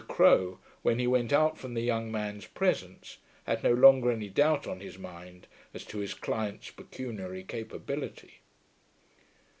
Crowe, when he went out from the young man's presence, had no longer any doubt on his mind as to his client's pecuniary capability.